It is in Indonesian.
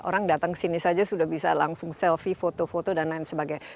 orang datang ke sini saja sudah bisa langsung selfie foto foto dan lain sebagainya